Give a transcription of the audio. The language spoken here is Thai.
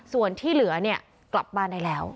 ส่วนที่เหลือเนี่ยกลับบ้านได้แล้ว